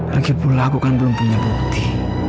lagi pula aku kan belum punya bukti